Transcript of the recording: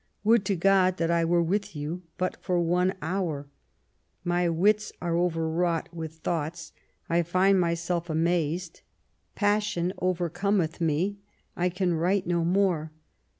Would to God that I were with you but for one hour. My wits are overwrought with thoughts. I find myself amazed. Passion overcometh me. I can write no more.